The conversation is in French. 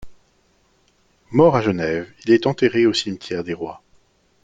Mort à Genève, il est enterré au cimetière des Rois.